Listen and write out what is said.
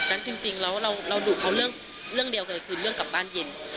ฉะนั้นจริงเราดุเขาเรื่องเดียวคือเรื่องกลับบ้านเย็น